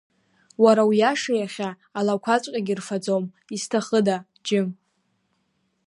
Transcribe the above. Уара уиаша иахьа алақәаҵәҟьагьы ирфаӡом, изҭахыда, џьым!